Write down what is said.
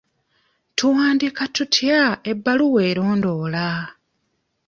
Tuwandiika tutya ebbaluwa erondoola?